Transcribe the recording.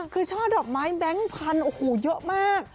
คือช่อดอกไม้แบงค์พันธุ์โอ้โหเยอะมาก